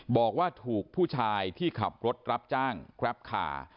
บอกว่าถูกผู้ชายที่ขับรถรับจ้างแกรปคาร์